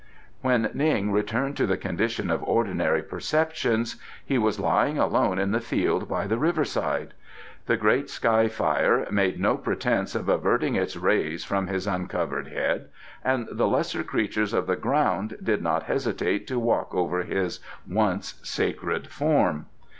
When Ning returned to the condition of ordinary perceptions he was lying alone in the field by the river side. The great sky fire made no pretence of averting its rays from his uncovered head, and the lesser creatures of the ground did not hesitate to walk over his once sacred form.